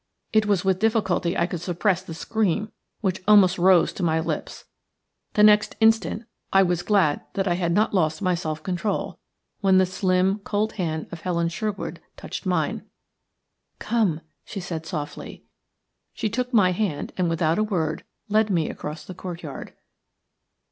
It was with difficulty I could suppress the scream which almost rose to my lips. The next instant I was glad that I had not lost my self control, when the slim, cold hand of Helen Sherwood touched mine. "Come," she said, softly. She took my hand and, without a word, led me across the courtyard.